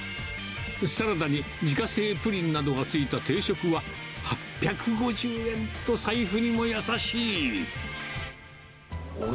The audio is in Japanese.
サラダに自家製プリンなどが付いた定食は８５０円と財布にも優しい。